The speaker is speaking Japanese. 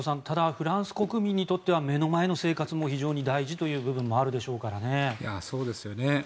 ただ、フランス国民にとっては目の前の生活も非常に大事という部分もあるでしょうからね。